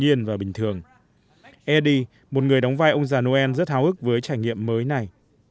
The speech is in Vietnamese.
eddy một người đóng vai ông già noel rất hào hức với trải nghiệm mới này